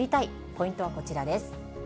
ポイントはこちらです。